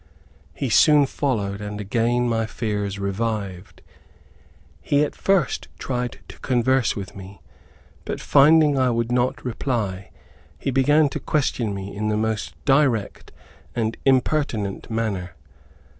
He soon followed, and again my fears revived. He at first tried to converse with me, but finding I would not reply, he began to question me in the most direct and impertinent manner.